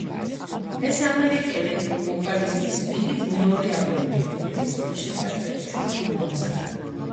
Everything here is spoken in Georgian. ეს ამერიკელი ვოკალისტის რიგით მეორე ალბომია, რომელიც მიშა კაჭკაჭიშვილმა მოამზადა.